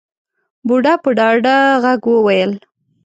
بوډا په ډاډه غږ وويل.